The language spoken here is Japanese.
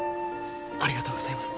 ありがとうございます。